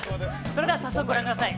それでは早速ご覧ください。